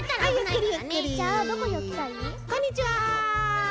こんにちは！